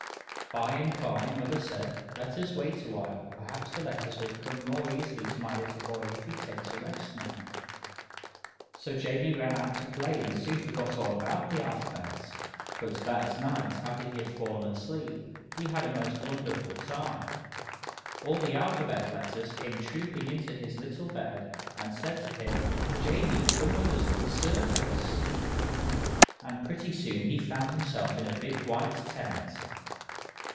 By and by mother said: "Let us wait awhile; perhaps the letters will come more easily to my little boy if he takes a rest now." So Jamie ran out to play and soon forgot all about the alphabet. But that night, after he had fallen asleep, he had a most wonderful time. All the alphabet letters came trooping into his little bed and said to him, "Jamie, come with us to the Circus!" And pretty soon he found himself in a big white tent.